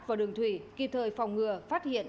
và đường thủy kịp thời phòng ngừa phát hiện